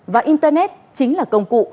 và internet chính là công cụ